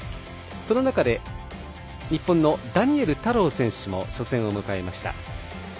その中で日本のダニエル太郎選手も初戦を迎えました。